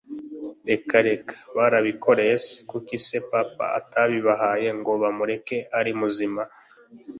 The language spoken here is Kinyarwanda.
reka reka! barabikoreye se, kuki se papa atabibahaye ngo bamureke ari muzima!